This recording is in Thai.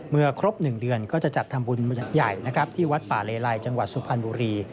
เมื่อครบ๑เดือนจะจัดธรรมบุญใหญ่ที่วัดปาเลไรจังหวัดลูกสุพรรณบุรี